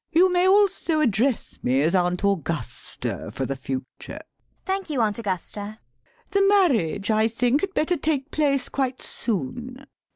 You may also address me as Aunt Augusta for the future. CECILY. Thank you, Aunt Augusta. LADY BRACKNELL. The marriage, I think, had better take place quite soon. ALGERNON.